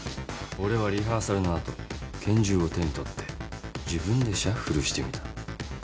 俺はリハーサルの後拳銃を手に取って自分でシャッフルしてみた。